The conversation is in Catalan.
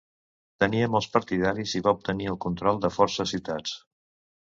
Tenia molts partidaris i va obtenir el control de força ciutats.